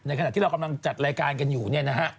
ขณะที่เรากำลังจัดรายการกันอยู่เนี่ยนะฮะ